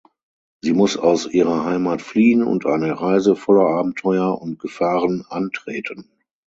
Sie muss aus ihrer Heimat fliehen und eine Reise voller Abenteuer und Gefahren antreten.